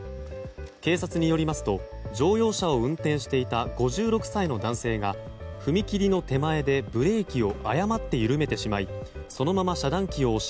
警察によりますと乗用車を運転していた５６歳の男性が踏切の手前でブレーキを誤って緩めてしまいそのまま遮断機を押し